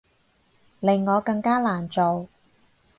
令我更加難做